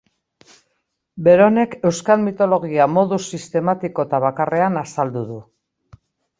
Beronek euskal mitologia modu sistematiko eta bakarrean azaldu du.